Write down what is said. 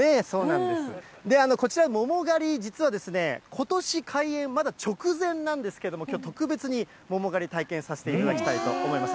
こちら、桃狩り、実はことし開園まだ直前なんですけども、きょう、特別に桃狩り体験させていただきたいと思います。